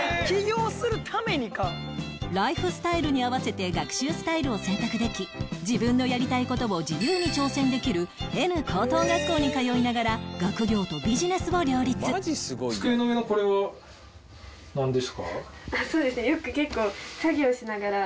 ライフスタイルに合わせて学習スタイルを選択でき自分のやりたい事を自由に挑戦できる Ｎ 高等学校に通いながら学業とビジネスを両立なんですか？